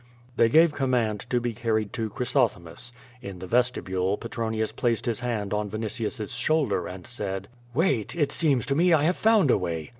They gave command to be carried to Chrysothemis. In the vestibule Petronius placed his hand on Yinitius' shoulder^ and said: "Wait; it seems to me I have found a way.'